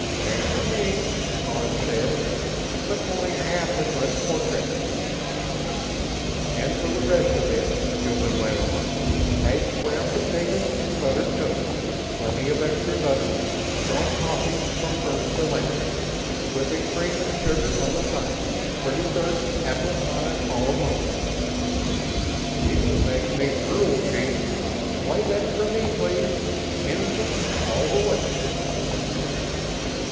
"Same for me," Karns said, "but only half as much horseradish." "And for the rest of it," Hilton went on, "hashed brown potatoes and buttered toast plenty of extra butter strong coffee from first to last. Whipping cream and sugar on the side. For dessert, apple pie a la mode." "You make me drool, chief. Play that for me, please, Innocent, all the way."